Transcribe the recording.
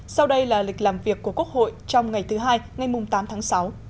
sau đây là lịch làm việc của quốc hội trong ngày thứ hai ngày tám tháng sáu